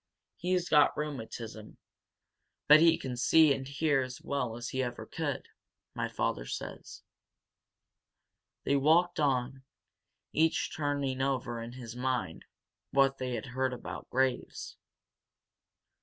He's got rheumatism, but he can see and hear as well as he ever could, my father says." They walked on, each turning over in his mind what they had heard about Graves.